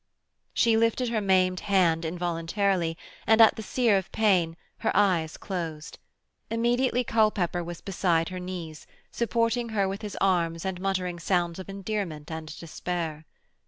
She lifted her maimed hand involuntarily, and, at the sear of pain, her eyes closed. Immediately Culpepper was beside her knees, supporting her with his arms and muttering sounds of endearment and despair.